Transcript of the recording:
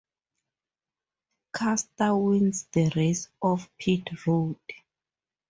Custer wins the race off pit road.